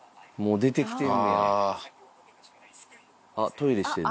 あ、トイレしてる。